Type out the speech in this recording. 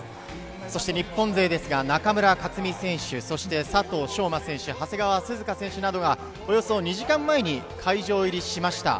そして日本勢ですが、中村克選手、そして佐藤翔馬選手、長谷川涼香選手などが、およそ２時間前に会場入りしました。